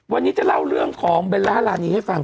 วันนี้จะเล่าเรื่องของเบลล่ารานีให้ฟัง